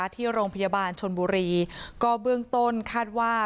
ที่โรงพยาบาลชนบุรีก็เบื้องต้นคาดว่า